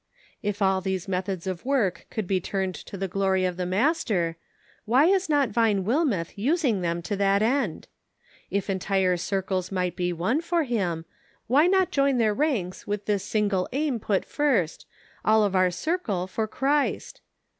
* If all these methods of work could be turned to the glory of the Master, why is not Vine Wilmeth using them to that end ? If entire circles might be won for Him, why not join their ranks with this single aim put first :* All of our circle for Christ